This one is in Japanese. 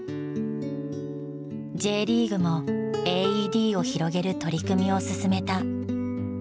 ＪリーグもＡＥＤを広げる取り組みを進めた。